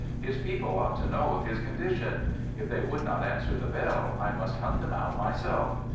His people ought to know of his condition. If they would not answer the bell, I must hunt them out myself.